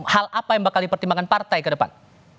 hal apa yang bakal dipertimbangkan partai ke depan